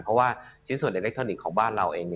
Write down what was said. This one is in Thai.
เพราะว่าชิ้นส่วนอิเล็กทรอนิกส์ของบ้านเราเอง